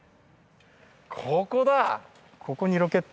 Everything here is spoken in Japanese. ここだ！